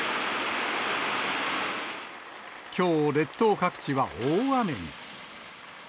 きょう、列島各地は大雨に。